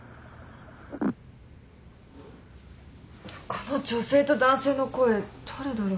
この女性と男性の声誰だろう？